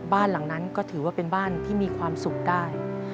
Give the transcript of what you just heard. บ้านหลังนั้นก็ถือว่าเป็นบ้านที่มีความสุขได้